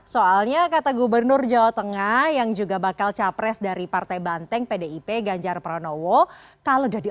soalnya kata gubernur jawa tengah